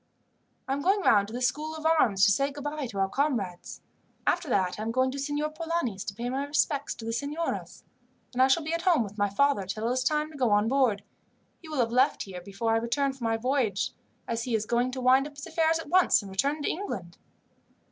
"I am going round to the School of Arms, to say goodbye to our comrades. After that I am going to Signor Polani's to pay my respects to the signoras. Then I shall be at home with my father till it is time to go on board. He will have left here before I return from my voyage, as he is going to wind up his affairs at once and return to England."